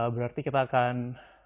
berarti kita akan